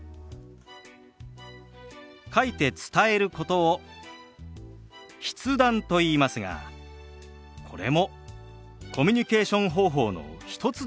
書いて伝えることを「筆談」といいますがこれもコミュニケーション方法の一つですから。